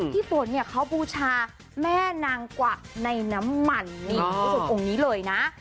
พี่ปนเนี่ยเขาบูชาแม่นางกว่าในน้ำไหม่นอ่อสุดกงนี้เลยนะ